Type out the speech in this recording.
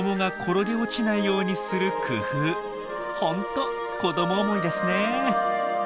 ホント子ども思いですね。